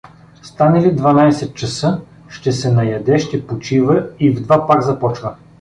Стане ли дванайсет часа, ще се наяде, ще почива и в два пак започва.